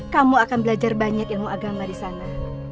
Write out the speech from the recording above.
kamu akan belajar banyak ilmu agama disana